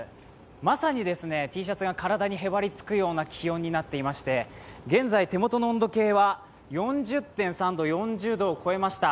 まさにＴシャツがからだにへばりつくような気温になっていまして、現在、手元の温度計は４０．３度、４０度を超えました。